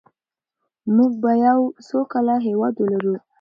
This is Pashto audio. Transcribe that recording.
موږ به یو سوکاله هېواد ولرو.